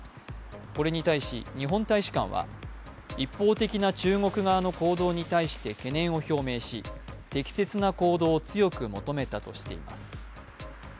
これに対し日本大使館は一方的な中国側の行動に対して懸念を表明し、適切な行動を強く求めたとしています。